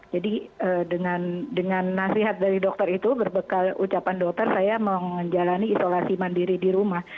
dengan nasihat dari dokter itu berbekal ucapan dokter saya menjalani isolasi mandiri di rumah